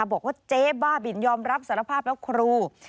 บอกว่าเจ๊บ้าบินยอมรับสารภาพแล้วครู